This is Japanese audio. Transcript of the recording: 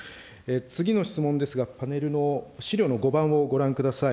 次の質問ですが、パネルの資料の５番をご覧ください。